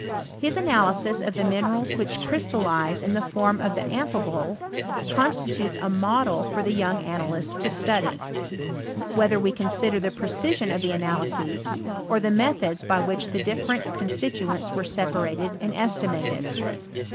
His analysis of the minerals which crystallize in the form of the amphibole, con stitutes a model for the young analysts to study, whether we consider the precision of the analyses, or the methods by which tlie different constituents were separated and estimated.